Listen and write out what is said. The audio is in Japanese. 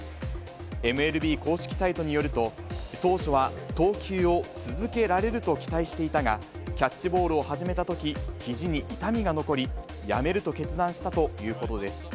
ＭＬＢ公式サイトによると、当初は、投球を続けられると期待していたが、キャッチボールを始めたとき、ひじに痛みが残り、やめると決断したということです。